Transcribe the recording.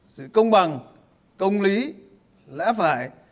sự công bằng công lý lẽ phải